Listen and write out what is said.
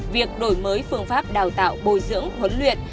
việc đổi mới phương pháp đào tạo bồi dưỡng huấn luyện